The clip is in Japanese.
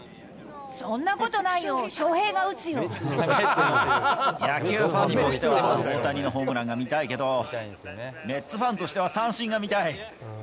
そんなことないよ、翔平が打野球ファンとしては大谷のホームランが見たいけど、メッツファンとしては三振が見たい。